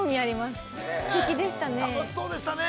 ◆すてきでしたね。